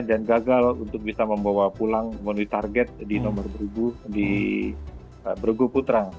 dan gagal untuk bisa membawa pulang menuju target di nomor bergu putra